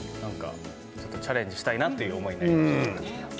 チャレンジしたいなという思いになりました。